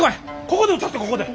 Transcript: ここで歌ってここで。